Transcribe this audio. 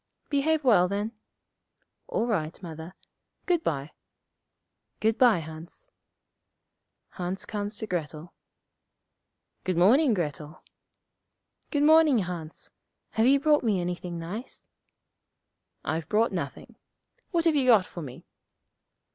'Behave well, then.' 'All right, Mother. Good bye.' 'Good bye, Hans.' Hans comes to Grettel. 'Good morning, Grettel.' 'Good morning, Hans. Have you brought me anything nice?' 'I've brought nothing. What have you got for me?'